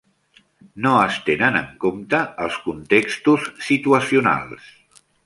No es tenen en compte els contextos situacionals.